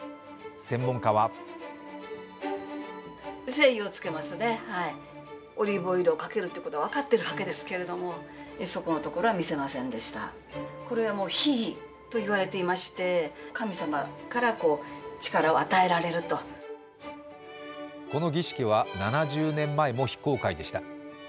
専門家はこの儀式は、７０年前も非公開でした。